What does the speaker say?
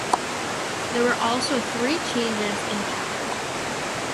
There were also three changes in power.